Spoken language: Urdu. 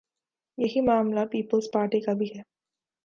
یہی معاملہ پیپلزپارٹی کا بھی ہے۔